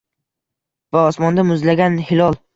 Va osmonda muzlagan hilol